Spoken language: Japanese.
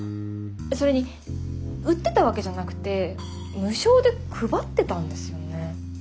それに売ってたわけじゃなくて無償で配ってたんですよね。